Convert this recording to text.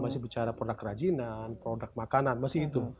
masih bicara produk kerajinan produk makanan masih itu